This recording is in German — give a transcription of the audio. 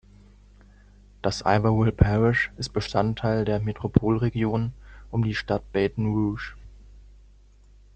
Das Iberville Parish ist Bestandteil der Metropolregion um die Stadt Baton Rouge.